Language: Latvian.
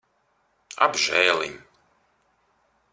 Apžēliņ.